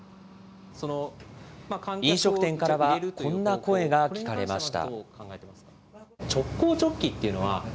飲食店からは、こんな声が聞かれました。